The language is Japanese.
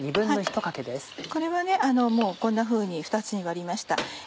これはこんなふうに２つに割りました。